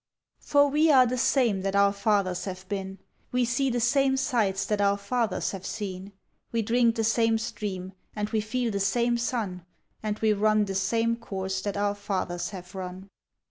For we are the same that our fathers have been; We see the same sights that our fathers have seen, We drink the same stream, and we feel the same sun, And we run the same course that our fathers have run.